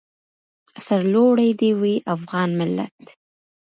سرلوړی دې وي افغان ملت.